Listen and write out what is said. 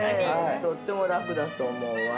とっても楽だと思うわ。